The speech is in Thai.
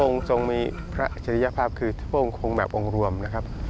องค์ทรงมีพระเฉริยภาพคือที่โบราณคงแบบองค์รวมนะครับ